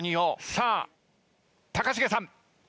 さあ高重さん。